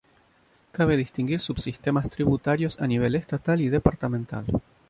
Cabe distinguir subsistemas tributarios a nivel estatal y departamental.